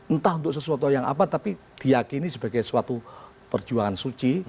entah untuk sesuatu yang apa tapi diakini sebagai suatu perjuangan suci